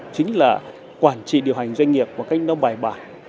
chính là quản trị điều hành doanh nghiệp một cách nó bài bản